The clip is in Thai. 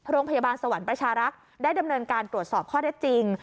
โรงพยาบาลสวรรค์ประชารักษ์ได้ดำเนินการตรวจสอบข้อได้จริง